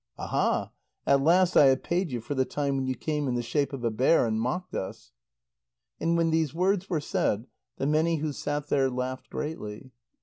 Aha, at last I have paid you for the time when you came in the shape of a bear, and mocked us." And when these words were said, the many who sat there laughed greatly.